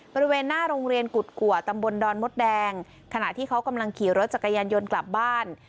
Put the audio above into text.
บริเวณหน้าโรงเรียนกุฎกัวตำบลดอนมดแดงขณะที่เขากำลังขี่รถจักรยานยนต์กลับบ้าน